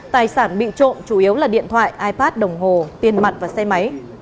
tài sản bị trộm chủ yếu là điện thoại ipard đồng hồ tiền mặt và xe máy